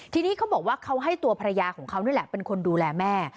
ทีนี้เขาบอกว่าเขาให้ตัวภรรยาของเขานี่แหละเป็นคนดูแลแม่